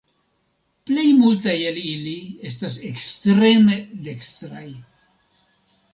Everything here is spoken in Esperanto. Plej multaj el ili estas ekstreme dekstraj.